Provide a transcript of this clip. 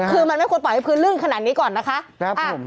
คือมันไม่ควรปล่อยให้พื้นลื่นขนาดนี้ก่อนนะคะ